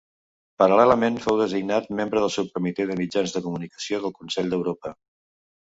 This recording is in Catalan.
Paral·lelament fou designat membre del Subcomitè de Mitjans de Comunicació del Consell d'Europa.